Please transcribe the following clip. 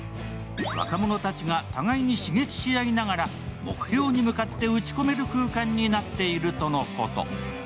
若者たちが互いに刺激し合いながら、目標に向かって打ち込める空間になっているとのこと。